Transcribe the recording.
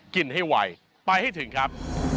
กินให้ไวไปให้ถึงครับ